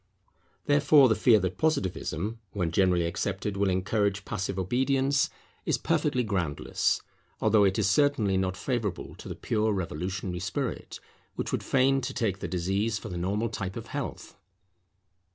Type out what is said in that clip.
Therefore, the fear that Positivism, when generally accepted, will encourage passive obedience, is perfectly groundless; although it is certainly not favourable to the pure revolutionary spirit, which would fain take the disease for the normal type of health.